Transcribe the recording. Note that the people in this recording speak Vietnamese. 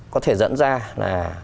có thể dẫn ra là